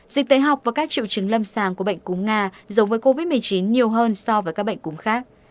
dịch tế học và các triệu chứng lâm sàng của bệnh cúng nga giống với covid một mươi chín nhiều hơn so với các bệnh cúm khác